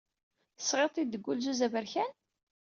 Tesɣiḍ-t-id deg wulzuz aberkan?